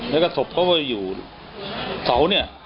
แล้วก็ศพเขาก็อยู่เสาเนี่ย